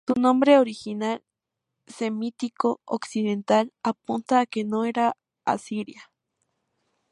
Su nombre original, semítico occidental, apunta a que no era asiria.